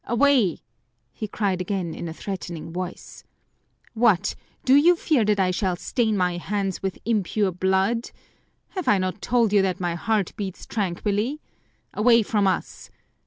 "Away!" he cried again in a threatening voice. "What, do you fear that I shall stain my hands with impure blood? Have I not told you that my heart beats tranquilly? Away from us!